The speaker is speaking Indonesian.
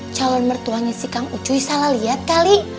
calon mertuanya si kang ucuy salah lihat kali